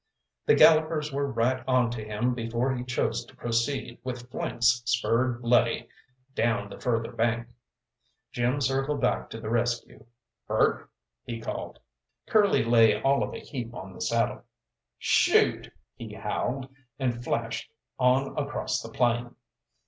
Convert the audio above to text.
The gallopers were right on to him before he chose to proceed, with flanks spurred bloody, down the further bank. Jim circled back to the rescue. "Hurt?" he called. Curly lay all of a heap on the saddle. "Shoot!" he howled, and flashed on across the plain.